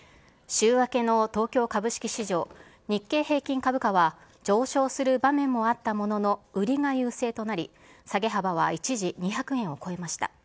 週明けの東京株式市場、日経平均株価は、上昇する場面もあったものの、売りが優勢となり、下げ幅は一時、２００円を超えました。